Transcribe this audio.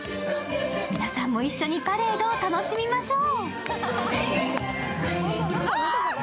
皆さんも一緒にパレードを楽しみましょう。